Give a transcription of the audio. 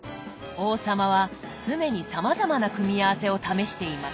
王様は常にさまざまな組み合わせを試しています。